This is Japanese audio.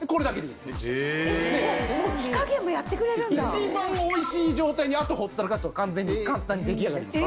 一番美味しい状態にほったらかすと完全に簡単に出来上がります。